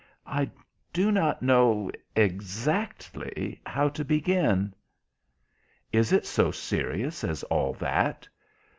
"I do not know exactly how to begin." "Is it so serious as all that?"